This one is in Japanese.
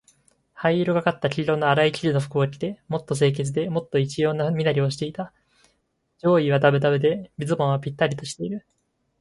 灰色がかった黄色のあらい生地の服を着て、もっと清潔で、もっと一様な身なりをしていた。上衣はだぶだぶで、ズボンはぴったりしている。